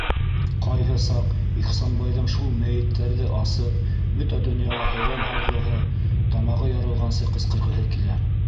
Ҡайһы саҡ Ихсанбайҙың шул мәйеттәрҙе асып, бөтә донъяға һөрән һалғыһы, тамағы ярылғансы ҡысҡырғыһы килә.